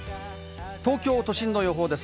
東京都心の予報です。